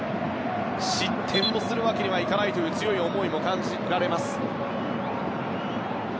失点をするわけにはいかないという強い思いも感じられます。